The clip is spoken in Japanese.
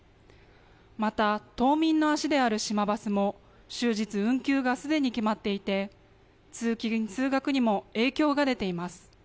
また、島民の足であるしまバスも終日運休がすでに決まっていて、通勤・通学にも影響が出ています。